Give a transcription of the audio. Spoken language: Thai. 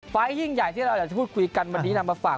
ยิ่งใหญ่ที่เราอยากจะพูดคุยกันวันนี้นำมาฝาก